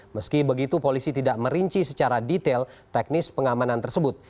meski begitu polisi tidak merinci secara detail teknis pengamanan tersebut